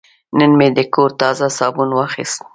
نن مې د کور تازه صابون واخیست.